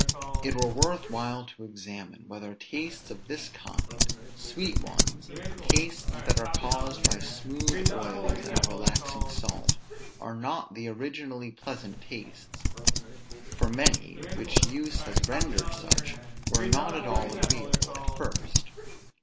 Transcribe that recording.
It were worth while to examine, whether tastes of this kind, sweet ones, tastes that are caused by smooth oils and a relaxing salt, are not the originally pleasant tastes. For many, which use has rendered such, were not at all agreeable at first.